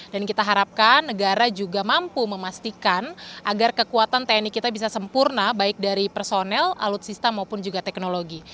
kita harapkan negara juga mampu memastikan agar kekuatan tni kita bisa sempurna baik dari personel alutsista maupun juga teknologi